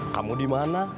kamu di mana